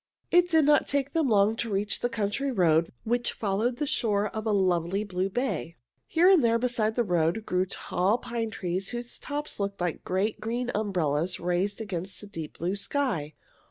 It did not take them long to reach the country road which followed the shore of the lovely blue bay. Here and there beside the road grew tall pine trees whose tops looked like great, green umbrellas raised against the deep blue sky.